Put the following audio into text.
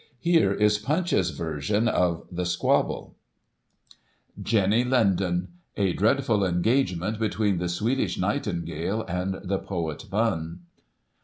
Here is Punch's version of the squabble : "JENNY LINDEN. A DREADFUL ENGAGEMENT BETWEEN THE SWEDISH NIGHTINGALE AND THE POET BUNN.